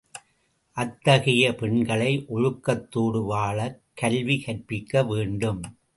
அத்தகைய பெண்களை ஒழுக்கத்தோடு வாழக் கல்விகற்பிக்க வேண்டும்.